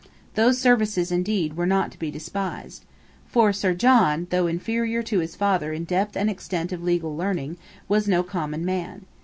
Those services indeed were not to be despised. For Sir John, though inferior to his father in depth and extent of legal learning, was no common man.